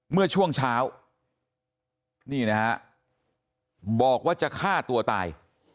เมื่อช่วงเช้าบอกว่าจะฆ่าตัวตาย